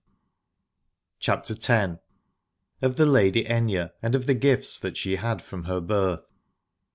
57 CHAPTER X. OF THE LADY AITHNE, AND OF THE GIFTS THAT SHE HAD FROM HER BIRTH.